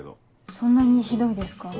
そんなにひどいですか。